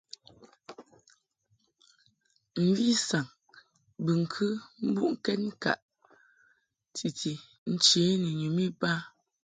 Mvi saŋ bɨŋkɨ mbuʼkɛd ŋkaʼ titi nche ni nyum iba.